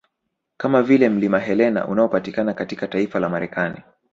Kama vile mlima Helena unaopatikana katika taifa la Marekani